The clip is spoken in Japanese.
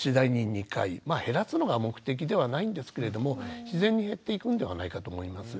まあ減らすのが目的ではないんですけれども自然に減っていくんではないかと思います。